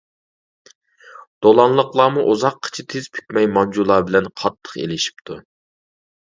دولانلىقلارمۇ ئۇزاققىچە تىز پۈكمەي مانجۇلار بىلەن قاتتىق ئېلىشىپتۇ.